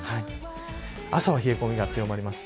朝は冷え込みが強まります。